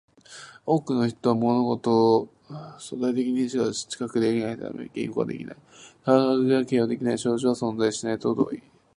多くの人は物事を相対的にしか知覚できないため、言語化できない感覚や形容できない症状は存在しないと同義である